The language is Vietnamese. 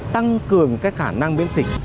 tăng cường cái khả năng biến dịch